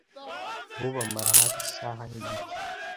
bo bamara hafi isaha n’igice